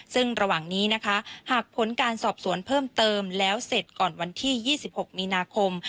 ซึ่งระหว่างนี้นะคะหากผลการสอบสวนเพิ่มเติมแล้วเสร็จก่อนวันที่๒๖มีนาคม